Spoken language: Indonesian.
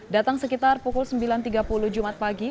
datang sekitar pukul sembilan tiga puluh jumat pagi